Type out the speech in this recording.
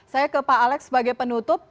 saya ke pak alex sebagai penutup